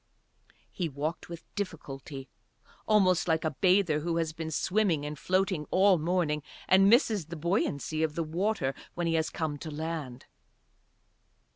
He walked with difficulty, almost like a bather who has been swimming and floating all morning and misses the buoyancy of the water when he has come to land.